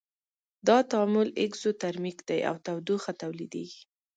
دا تعامل اکزوترمیک دی او تودوخه تولیدیږي.